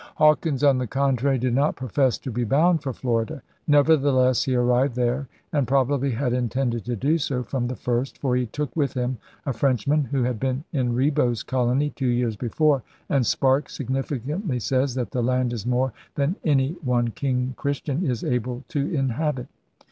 Hawkins, on the contrary, did not profess to be bound for Florida. Nevertheless he arrived there, and probably had intended to do so from the first, for he took with him a Frenchman who had been in Ribaut's colony two years before, and Sparke significantly says that *the land is more than any [one] king Christian is able to inhabit.